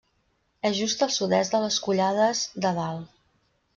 És just al sud-est de les Collades de Dalt.